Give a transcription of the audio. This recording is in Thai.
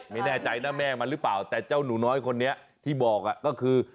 ไม่แน่ใจนะแม่มันหรือเปล่าแต่เจ้าหนูน้อยคนนี้ที่บอกก็คือ